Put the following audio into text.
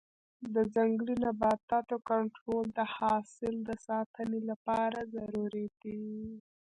د ځنګلي نباتاتو کنټرول د حاصل د ساتنې لپاره ضروري دی.